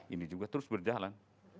ini juga terus berjalan